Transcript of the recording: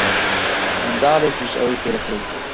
منداڵێکیش ئەوەی پێ دەکرێت.